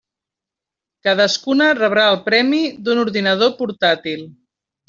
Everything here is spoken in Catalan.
Cadascuna rebrà el premi d'un ordinador portàtil.